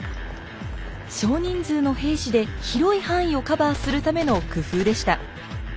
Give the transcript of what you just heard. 少人数の兵士で広い範囲をカバーするための工夫でした。